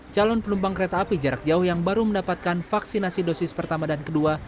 calon penumpang kereta api jarak jauh yang baru mendapatkan vaksinasi dosis pertama dan kedua